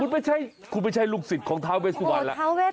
ผมไม่ใช่ลูกศิษฐ์ของเทาเวสวันท่าน